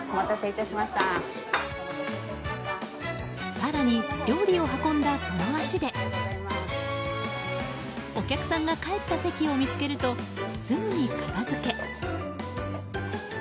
更に、料理を運んだその足でお客さんが帰った席を見つけるとすぐに片づけ。